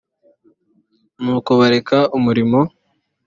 n uko bareka umurimo